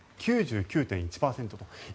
９９．１％と。